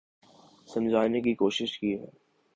سمجھانے کی کوشش کی ہے